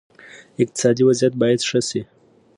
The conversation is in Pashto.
اقتصادي وضعیت باید ښه شي.